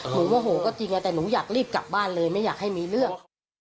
โมโหก็จริงแต่หนูอยากรีบกลับบ้านเลยไม่อยากให้มีเรื่อง